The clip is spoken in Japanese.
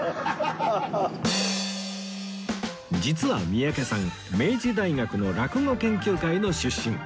実は三宅さん明治大学の落語研究会の出身